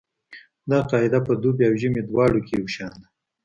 دا قاعده په دوبي او ژمي دواړو کې یو شان ده